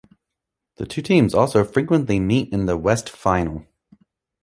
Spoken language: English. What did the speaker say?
The two teams also frequently meet in the West Final.